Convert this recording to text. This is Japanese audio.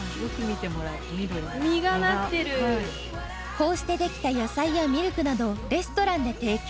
こうしてできた野菜やミルクなどをレストランで提供。